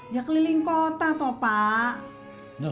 ya keliling kota toh pak tuh